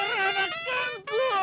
peranakan ku opu